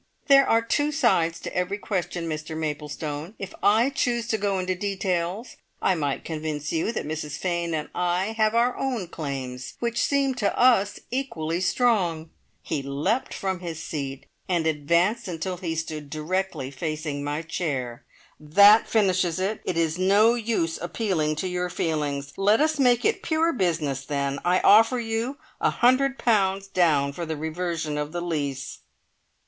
"There are two sides to every question, Mr Maplestone. If I chose to go into details, I might convince you that Mrs Fane and I have our own claims, which seem to us equally strong." He leapt from his seat, and advanced until he stood directly facing my chair. "That finishes it! It is no use appealing to your feelings. Let us make it pure business then! I offer you a hundred pounds down for the reversion of the lease!"